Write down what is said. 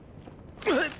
えっ！